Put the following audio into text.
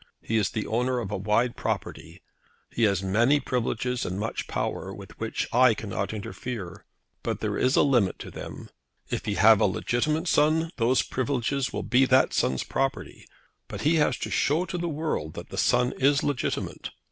He is the owner of a wide property. He has many privileges and much power, with which I cannot interfere. But there is a limit to them. If he have a legitimate son, those privileges will be that son's property, but he has to show to the world that that son is legitimate.